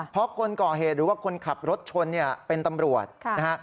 เพราะคนก่อเหตุหรือว่าคนขับรถชนเนี่ยเป็นตำรวจนะฮะ